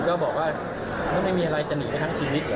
เราก็บอกว่าถ้าไม่มีอะไรจะหนีไปทั้งชีวิตเหรอ